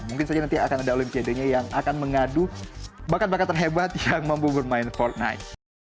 mungkin saja nanti akan ada olympiadanya yang akan mengadu bakat bakat terhebat yang mampu bermain fortnite